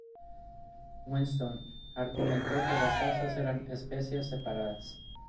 Winston, ""argumentó que las razas eran especies separadas.